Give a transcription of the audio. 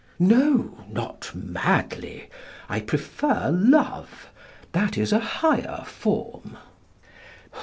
No; not madly. I prefer love; that is a higher form.